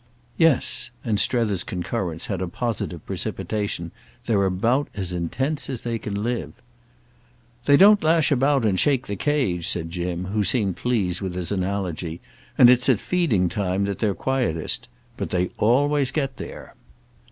"Yes"—and Strether's concurrence had a positive precipitation; "they're about as intense as they can live." "They don't lash about and shake the cage," said Jim, who seemed pleased with his analogy; "and it's at feeding time that they're quietest. But they always get there."